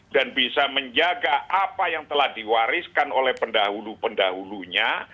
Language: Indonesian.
dan bisa menjaga apa yang telah diwariskan oleh pendahulu pendahulunya